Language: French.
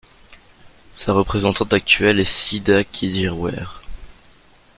Sa représentante actuelle est Seada Kedir Ware.